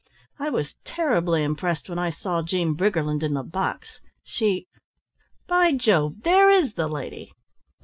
I was terribly impressed when I saw Jean Briggerland in the box. She by Jove, there is the lady!"